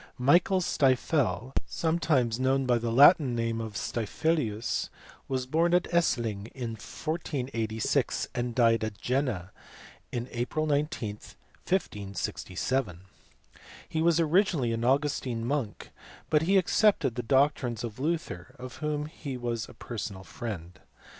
Michael Stifel, sometimes known by the Latin name of Stiffelius, was born at Esslingen in 1486 and died at Jena on April 19, 1567. He was originally an Augustine monk, but he accepted the doctrines of Luther of whom he was a personal friend.